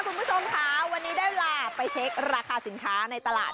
คุณผู้ชมค่ะวันนี้ได้เวลาไปเช็คราคาสินค้าในตลาด